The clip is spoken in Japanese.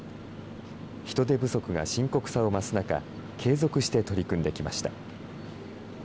人手不足が深刻さを増す中、継続して取り組んできました。